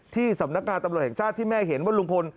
ที่สำนักงานตำรวจแห่งชาติที่แม่เห็นว่าลุงพล